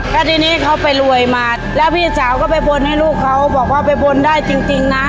แล้วทีนี้เขาไปรวยมาแล้วพี่สาวก็ไปบนให้ลูกเขาบอกว่าไปบนได้จริงนะ